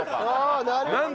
なるほどね。